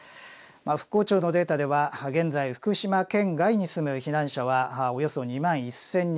復興庁のデータでは現在福島県外に住む避難者はおよそ２万１，０００人。